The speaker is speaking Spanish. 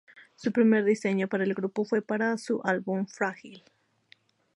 Su primer diseño para el grupo fue para su álbum Fragile.